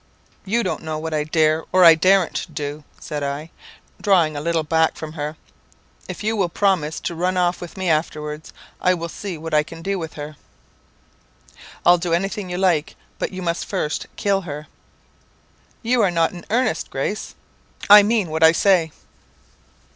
"'You don't know what I dare, or what I dar'n't do!' said I, drawing a little back from her. 'If you will promise to run off with me afterwards, I will see what I can do with her.' "'I'll do anything you like; but you must first kill her.' "'You are not in earnest, Grace?' "'I mean what I say!'